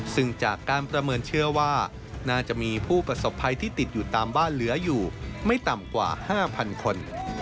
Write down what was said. ซึ่งจากการประเมินเชื่อว่าน่าจะมีผู้ประสบภัยที่ติดอยู่ตามบ้านเหลืออยู่ไม่ต่ำกว่า๕๐๐คน